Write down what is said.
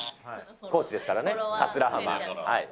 高知ですからね、桂浜。